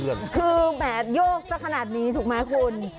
คือแหมโยกสักขนาดนี้ถูกไหมคุณ